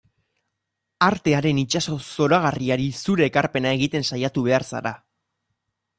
Artearen itsaso zoragarriari zure ekarpena egiten saiatu behar zara.